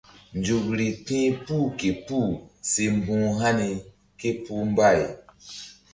Nzukri ti̧h puh ke puh si mbu̧h hani ké puh mbay.